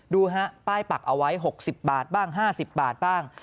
ดูฮะป้ายปักเอาไว้๖๐บาทบ้าง๕๐บาทบ้าง